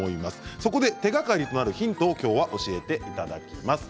そこで手がかりとなるヒントを今日教えていただきます。